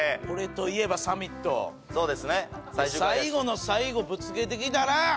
俺といえばサミットそうですね最終回だし最後の最後ぶつけてきたな！